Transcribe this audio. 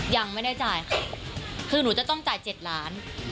ยังไม่ได้จ่ายค่ะคือหนูจะต้องจ่าย๗ล้าน